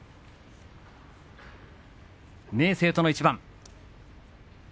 明生との一番。